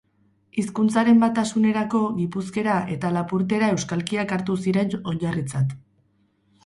Hizkuntzaren batasunerako, gipuzkera eta lapurtera euskalkiak hartu ziren oinarritzat